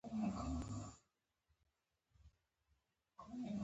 نهم په دندو کې د وړتیا اصل دی.